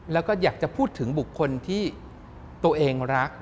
แล้วก็อยากจะพูดถึงบุคคลที่ตัวเองรัก